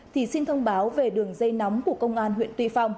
thì xin thông báo về đường dây nóng của công an huyện tuy phong